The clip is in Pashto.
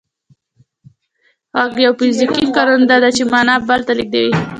غږ یو فزیکي ښکارنده ده چې معنا بل ته لېږدوي